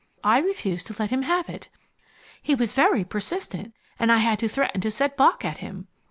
I refused to let him have it. He was very persistent, and I had to threaten to set Bock at him.